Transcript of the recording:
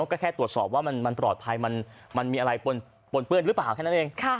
ก็แค่ตรวจสอบว่ามันปลอดภัยมันมีอะไรปนเปื้อนหรือเปล่าแค่นั้นเอง